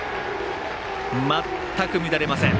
全く乱れません。